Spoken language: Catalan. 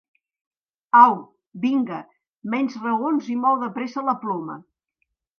Au, vinga, menys raons i mou de pressa la ploma!